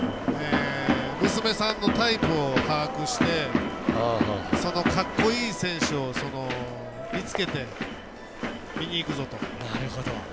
娘さんのタイプを把握してかっこいい選手を見つけて見に行くぞ！と。